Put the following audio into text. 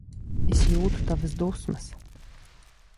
Es jūtu tavas dusmas.